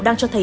đang cho thấy